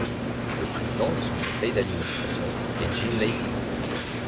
Le président de son conseil d'administration est Jim Lacey.